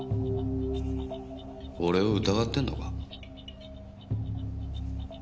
俺を疑ってんのか？